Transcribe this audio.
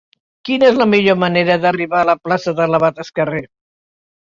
Quina és la millor manera d'arribar a la plaça de l'Abat Escarré?